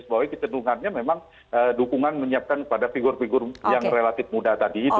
saya menggunakan dukungan menyiapkan pada figur figur yang relatif muda tadi itu